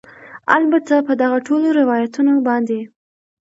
البته په دغه ټولو روایتونو باندې